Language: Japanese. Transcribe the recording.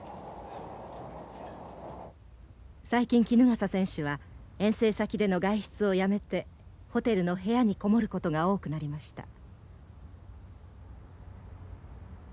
最近衣笠選手は遠征先での外出をやめてホテルの部屋に籠もることが多くなりました。